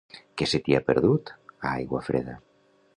Què se t'hi ha perdut, a Aiguafreda?